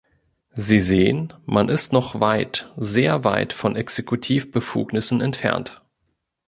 Sie sehen, man ist noch weit, sehr weit, von Exekutivbefugnissen entfernt.